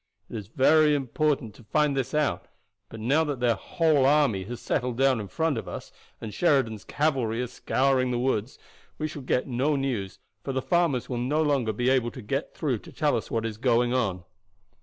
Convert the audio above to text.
It is very important to find this out; but now that their whole army has settled down in front of us, and Sheridan's cavalry are scouring the woods, we shall get no news, for the farmers will no longer be able to get through to tell us what is going on.